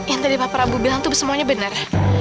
yang tadi papa rabu bilang itu semuanya benar